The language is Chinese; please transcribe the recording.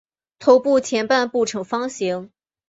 头部前半部呈方形。